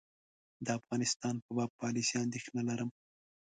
د افغانستان په باب پالیسي اندېښنه لرم.